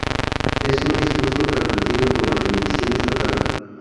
En un discurso transmitido por la televisión estatal.